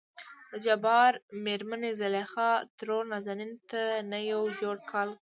دجبار مېرمنې زليخا ترور نازنين ته نه يو جوړ کالي وړل.